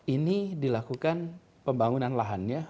ini dilakukan pembangunan lahannya